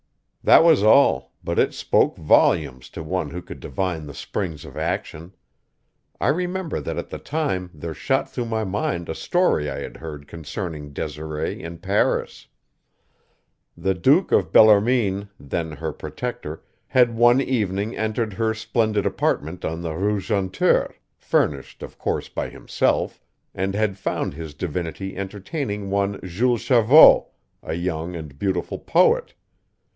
That was all, but it spoke volumes to one who could divine the springs of action. I remember that at the time there shot through my mind a story I had heard concerning Desiree in Paris. The Duke of Bellarmine, then her protector, had one evening entered her splendid apartment on the Rue Jonteur furnished, of course, by himself and had found his divinity entertaining one Jules Chavot, a young and beautiful poet.